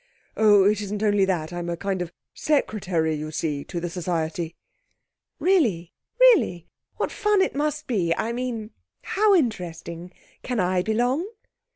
'Oh, it isn't only that I'm a kind of Secretary, you see, to the Society.' 'Really? Really? What fun it must be; I mean how interesting. Can I belong?'